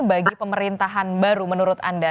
bagi pemerintahan baru menurut anda